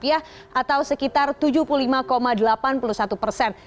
atau sekitar tujuh puluh lima delapan puluh satu persen